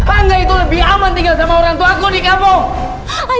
angga itu lebih aman tinggal sama orangtuaku di kampung